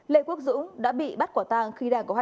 lê quốc dũng đã bị bắt quả tang khi đang có hai đứa